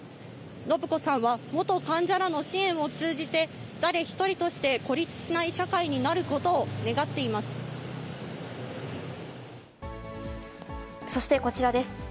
伸子さんは元患者らの支援を通じて、誰一人として孤立しない社会そしてこちらです。